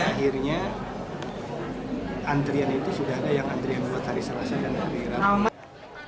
akhirnya antrian itu sudah ada yang antrian buat hari selasa dan hari